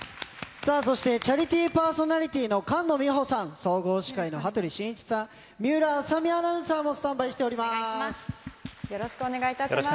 さあ、そしてチャリティーパーソナリティーの菅野美穂さん、総合司会の羽鳥慎一さん、水卜麻美アナウンサーもスタンバイしてお願いします。